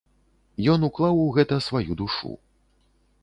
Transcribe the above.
Ён уклаў у гэта сваю душу.